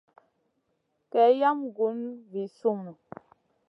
Kay yam guna vi sunù.